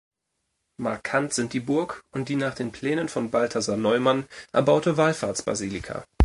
Markant sind die Burg und die nach den Plänen von Balthasar Neumann erbaute Wallfahrtsbasilika.